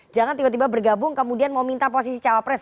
jangan tiba tiba bergabung kemudian mau minta posisi cawapres